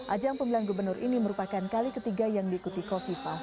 ajang pemilihan gubernur ini merupakan kali ketiga yang diikuti kofifa